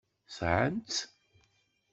Sɛan-tt.